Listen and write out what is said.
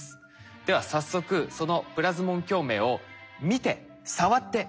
では早速そのプラズモン共鳴を見て触って頂きます。